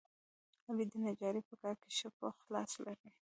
علي د نجارۍ په کار کې ښه پوخ لاس لري.